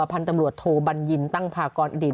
พันธุ์ตำรวจโทบัญญินตั้งพากรอดีต